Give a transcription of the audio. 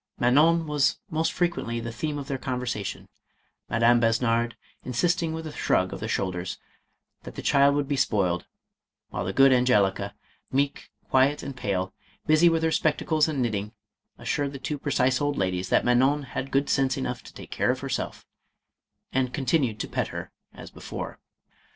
Manon was most frequently the theme of their conversation, Madame Besnard in sisting with a shrug of the shoulders the child would be spoiled, while the good Angelica, meek, quiet, and pale, busy with her spectacles and knitting, assured the two precise old ladies that Manon had good sense enough to take care of herself — and continued to pet her as before.